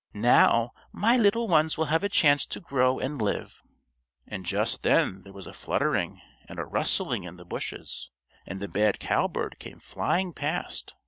"Now, my little ones will have a chance to grow and live." And just then there was a fluttering and a rustling in the bushes, and the bad cowbird came flying past.